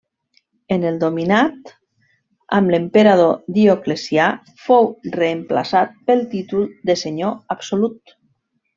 En el Dominat, amb l'emperador Dioclecià, fou reemplaçat pel títol de senyor absolut.